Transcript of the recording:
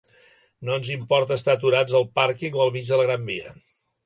No ens importa estar aturats al pàrquing o al mig de la Gran Via.